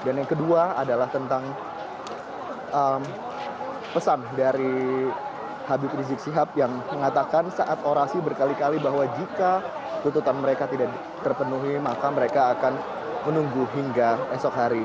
dan yang kedua adalah tentang pesan dari habib rizik sihab yang mengatakan saat orasi berkali kali bahwa jika tutupan mereka tidak terpenuhi maka mereka akan menunggu hingga esok hari